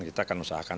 kita akan usahakan